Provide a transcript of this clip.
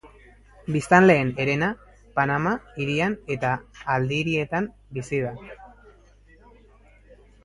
Biztanleen herena Panama Hirian eta aldirietan bizi da.